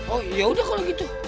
oh ya udah kalo gitu